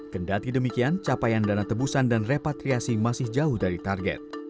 kendati demikian capaian dana tebusan dan repatriasi masih jauh dari target